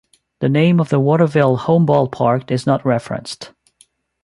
The name of the Waterville home ballpark is not referenced.